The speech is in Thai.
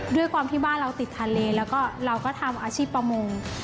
ด้วยความที่ว่าเราติดทะเลแล้วก็เราก็ทำอาชีพประมง